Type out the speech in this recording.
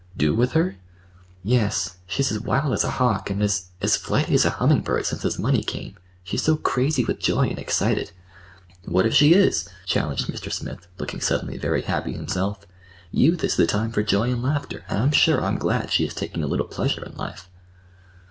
"Do with her?" "Yes. She's as wild as a hawk and as—as flighty as a humming bird, since this money came. She's so crazy with joy and excited." "What if she is?" challenged Mr. Smith, looking suddenly very happy himself. "Youth is the time for joy and laughter; and I'm sure I'm glad she is taking a little pleasure in life."